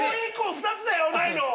２つだよないの！